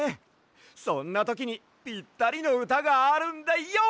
そんなときにぴったりのうたがあるんだＹＯ！